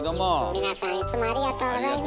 皆さんいつもありがとうございます。